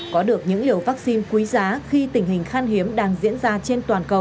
có được những liều vaccine quý giá khi tình hình khan hiếm đang diễn ra trên toàn cầu